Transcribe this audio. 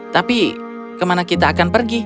tapi kemana kita akan pergi